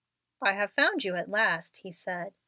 "I have found you at last," he said.